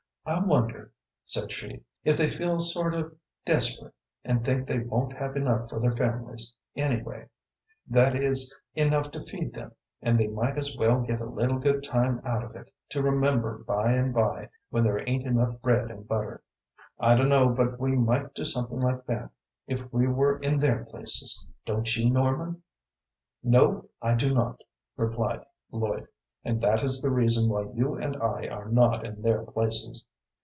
"I wonder," said she, "if they feel sort of desperate, and think they won't have enough for their families, anyway that is, enough to feed them, and they might as well get a little good time out of it to remember by and by when there ain't enough bread and butter. I dunno but we might do something like that, if we were in their places don't you, Norman?" "No, I do not," replied Lloyd; "and that is the reason why you and I are not in their places."